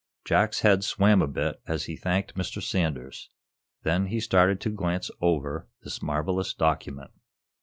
Jack's head swam a bit as he thanked Mr. Sanders; then he started to glance over this marvelous document.